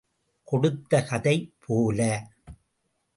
கொடுத்த கதை போல.